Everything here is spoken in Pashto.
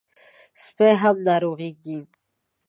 سپي هم ناروغېږي.